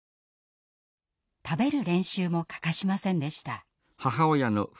食べる練習も欠かしませんでした。